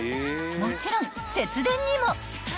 ［もちろん節電にも］